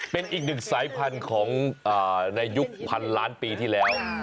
เป็นอีกหนึ่งสายพันธุ์ของในยุคพันล้านปีที่แล้ว